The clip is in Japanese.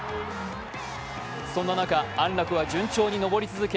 そんな中、安楽は順調に登り続け